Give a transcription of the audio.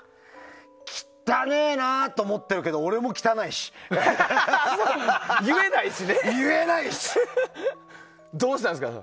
汚ねえなと思ってたけど俺も汚ねえしどうしたんですか？